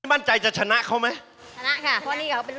ไม่มั่นใจจะชนะเขาไหม